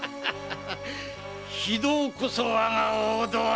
非道こそ我が王道なり！